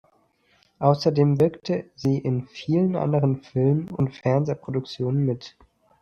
Außerdem wirkte sie in vielen anderen Film- und Fernsehproduktionen mit.